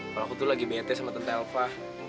kalau aku tuh lagi betes sama tante elva